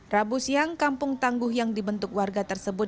rabu siang kampung tangguh yang dibentuk warga tersebut